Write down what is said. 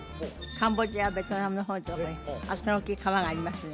カンボジアベトナムの方とかにあそこに大きい川がありますよね